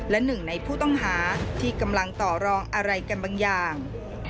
และหนึ่งในผู้ต้องหาที่กำลังต่อรองอะไรกันบางอย่าง